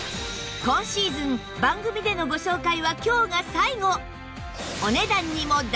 今シーズン番組でのご紹介は今日が最後！